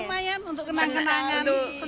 lumayan untuk kenang kenangan